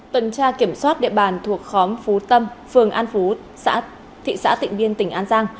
tuần tra kiểm soát địa bàn thuộc khóm phú tâm phường an phú thị xã tịnh biên tỉnh an giang